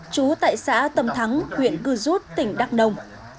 chú tại xã tâm thắng huyện cư rút tỉnh đắk đông